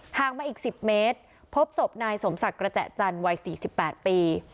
ห่างมาอีก๑๐เมตรพบศพนายสมศักดิ์กระแจจันทร์วัย๔๘ปี